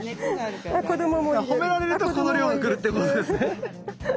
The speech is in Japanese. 褒められるとこの量がくるってことですね。